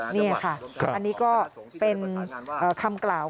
นี่ค่ะอันนี้ก็เป็นคำกล่าว